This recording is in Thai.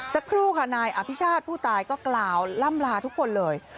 สักครู่ค่ะนายอภิชาติผู้ตายก็กล่าวล่ำลาทุกคนเลย